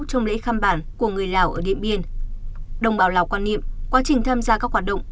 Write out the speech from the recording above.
trong lễ khăm bản của người lào ở điện biên đồng bào lào quan niệm quá trình tham gia các hoạt động